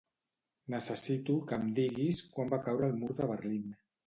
Necessito que em diguis quan va caure el mur de Berlín.